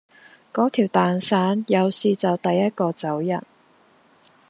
嗰條蛋散，有事就第一個走人